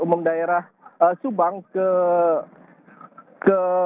umum daerah subang ke